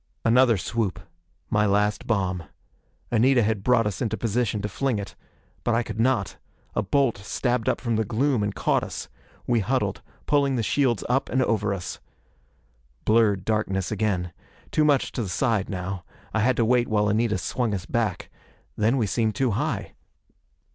Another swoop. My last bomb. Anita had brought us into position to fling it. But I could not. A bolt stabbed up from the gloom and caught us. We huddled, pulling the shields up and over us. Blurred darkness again. Too much to the side now. I had to wait while Anita swung us back. Then we seemed too high.